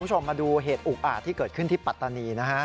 คุณผู้ชมมาดูเหตุอุกอาจที่เกิดขึ้นที่ปัตตานีนะฮะ